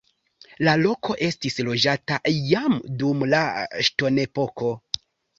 La loko estis loĝata jam dum la ŝtonepoko.